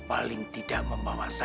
gak pandang pirate bisa perhatikan aus nya